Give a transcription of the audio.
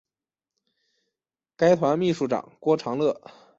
该团秘书长郭长乐。